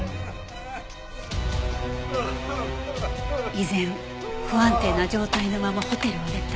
依然不安定な状態のままホテルを出た。